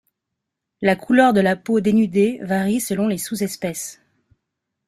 La couleur de la peau dénudée varie selon les sous-espèces.